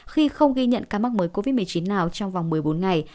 khi không ghi nhận ca mắc mới covid một mươi chín nào trong vòng một mươi bốn ngày